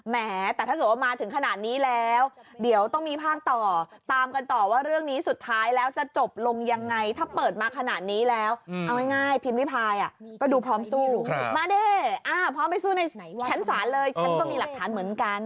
แม้แต่ถ้าเกิดว่ามาถึงขนาดนี้แล้วเดี๋ยวต้องมีภาคต่อตามกันต่อว่าเรื่องนี้สุดท้ายแล้วจะจบลงยังไงถ้าเปิดมาขนาดนี้แล้วเอาง่ายพิมพ์ริพายก็ดูพร้อมสู้มาเด้พร้อมไปสู้ในชั้นศาลเลยฉันก็มีหลักฐานเหมือนกัน